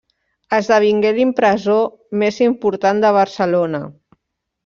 Esdevingué l’impressor més important de Barcelona.